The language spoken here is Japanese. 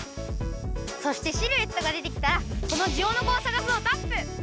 そしてシルエットが出てきたら「このジオノコをさがす」をタップ！